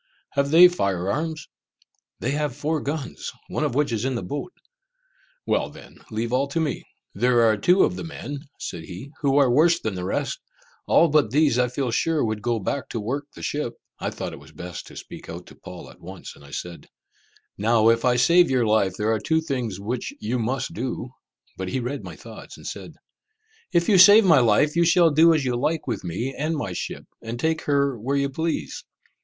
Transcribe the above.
"Have they fire arms?" "They have four guns, one of which is in the boat." "Well then, leave all to me!" "There are two of the men," said he, "who are worse than the rest. All but these I feel sure would go back to work the ship." I thought it was best to speak out to Paul at once, and I said, "Now if I save your life, there are two things which you must do." But he read my thoughts, and said, "If you save my life, you shall do as you like with me and my ship, and take her where you please."